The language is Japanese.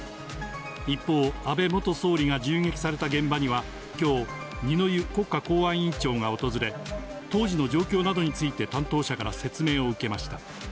一方、安倍元総理が銃撃された現場には、きょう、二之湯国家公安委員長が訪れ、当時の状況などについて担当者から説明を受けました。